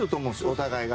お互い。